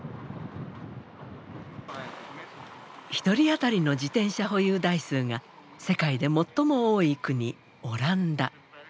１人当たりの自転車保有台数が世界で最も多い国オランダ。